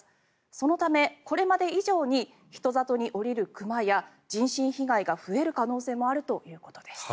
そのため、これまで以上に人里に下りる熊や人身被害が増える可能性もあるということです。